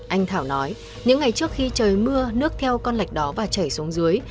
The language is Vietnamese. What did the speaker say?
anh thảo nói những ngày trước khi trời mưa nước theo con lạch đó và chảy xuống dưới